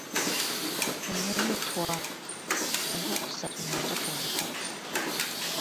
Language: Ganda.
Emmeeme ttwaa! ogwokusatu nagikwata.